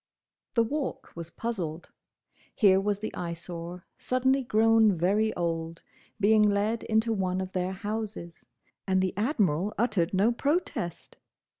The Walk was puzzled. Here was the Eyesore, suddenly grown very old, being led into one of their houses, and the Admiral uttered no protest!